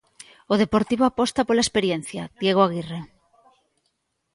O Deportivo aposta pola experiencia, Diego Aguirre.